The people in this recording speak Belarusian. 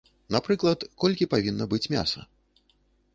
Напрыклад, колькі павінна быць мяса.